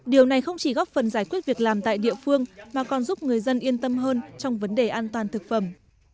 điều này không chỉ góp phần giải quyết việc làm tại địa phương mà còn giúp người dân yên tâm hơn trong vấn đề an toàn thực phẩm